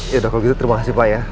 yaudah kalau gitu terima kasih pak ya